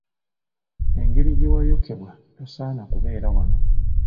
Engeri gye wayokebwa tosaana kubeera wano.